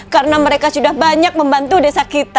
karena mereka sudah banyak membantu desa kita